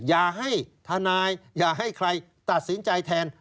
อย่าให้ทนายอย่าให้ใครตัดสินใจแทน